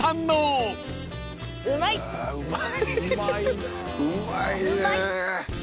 うまいね。